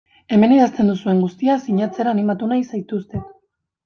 Hemen idazten duzuen guztia sinatzera animatu nahi zaituztet.